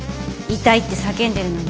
痛いって叫んでるのに。